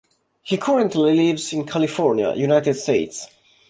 He currently lives in California, United States.